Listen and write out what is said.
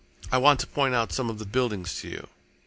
"I want to point out some of the buildings to you."